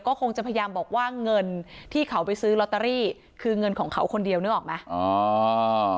ก็คงจะพยายามบอกว่าเงินที่เขาไปซื้อลอตเตอรี่คือเงินของเขาคนเดียวนึกออกไหม